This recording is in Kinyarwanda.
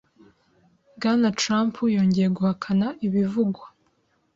Bwana Trump yongeye guhakana ibivugwa